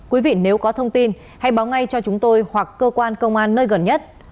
quý vị nếu có thông tin hãy báo ngay cho chúng tôi hoặc cơ quan công an nơi gần nhất